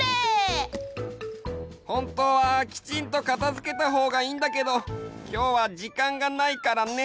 ほんとうはきちんと片付けたほうがいいんだけどきょうはじかんがないからね。